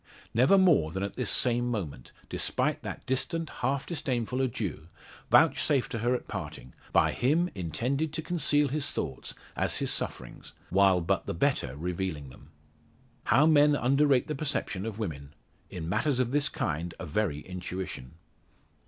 Never more than at this same moment, despite that distant, half disdainful adieu, vouchsafed to her at parting; by him intended to conceal his thoughts, as his sufferings, while but the better revealing them. How men underrate the perception of women! In matters of this kind a very intuition.